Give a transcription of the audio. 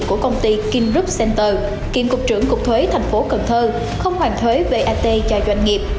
của công ty king group center kiện cục trưởng cục thuế tp cần thơ không hoàn thuế vat cho doanh nghiệp